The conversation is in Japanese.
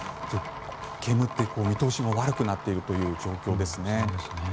煙って見通しも悪くなっている状況ですね。